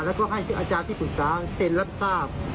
แล้วก็ให้อาจารย์ที่ปรึกษาเซ็นรับทราบ